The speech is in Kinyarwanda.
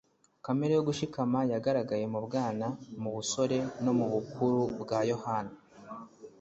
Kamere yo gushikama yagaragaye mu bwana, mu busore no mu bukuru bwa Yohana.